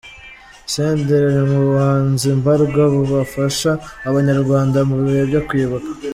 Senderi ari mu bahanzi mbarwa bafasha abanyarwanda mu bihe byo kwibuka.